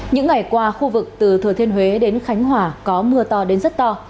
những ngày qua khu vực từ thừa thiên huế đến khánh hòa có mưa to đến rất to